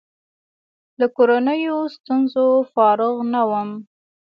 له کورنیو ستونزو فارغ نه وم.